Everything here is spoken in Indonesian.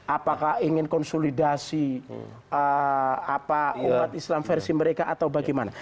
apakah ingin konsolidasi umat islam versi mereka atau bagaimana